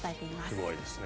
すごいですね。